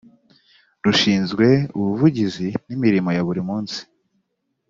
rushinzwe ubuvugizi n imirimo ya buri munsi